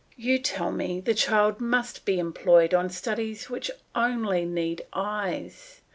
You tell me the child must be employed on studies which only need eyes.